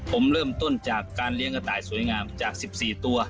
ผมเริ่มต้นจากการเลี้ยงกระต่ายสวยงามจาก๑๔ตัว